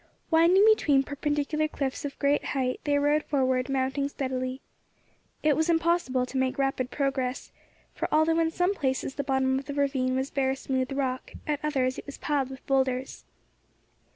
Winding between perpendicular cliffs of great height, they rode forward, mounting steadily. It was impossible to make rapid progress, for although in some places the bottom of the ravine was bare, smooth rock, at others it was piled with boulders.